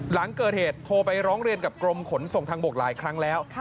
หลังเกิดเหตุโทรไปร้องเรียนกับกรมขนส่งทางบกหลายครั้งแล้ว